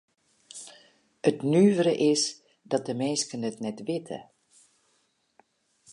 It nuvere is dat de minsken it net witte.